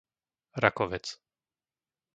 Rakovec